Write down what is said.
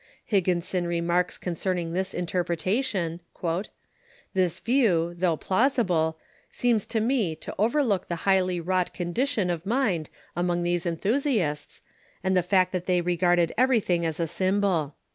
Higginson remarks con cerning this interpretation :" This view, though plausible, THE QUAKERS 563 seems to me to overlook the highly wrought condition of mind among these enthusiasts, and the fact that they regarded everything as a symbol.